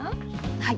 はい。